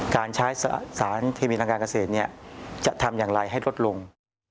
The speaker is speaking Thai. การใช้สารเคมีทางการเกษตรจะทำอย่างไรให้ลดลง